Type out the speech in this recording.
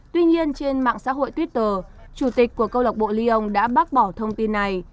tuy nhiên trên mạng xã hội twitter chủ tịch của câu lạc bộ lyon đã bác bỏ thông tin này